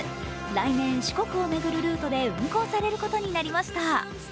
来年、四国を巡るルートで運行されることになりました。